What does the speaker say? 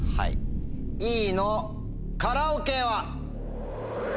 Ｅのカラオケは。